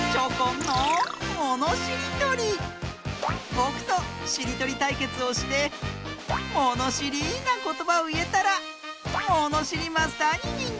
ぼくとしりとりたいけつをしてものしりなことばをいえたらものしりマスターににんてい！